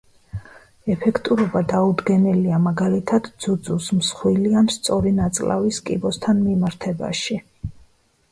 ეფექტურობა დაუდგენელია მაგალითად, ძუძუს, მსხვილი, ან სწორი ნაწლავის კიბოსთან მიმართებაში.